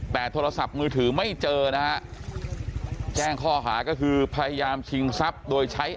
แต่โทรศัพท์มือถือไม่เจอนะฮะแจ้งข้อหาก็คือพยายามชิงทรัพย์โดยใช้